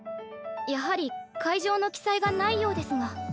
やはり会場の記載がないようですが。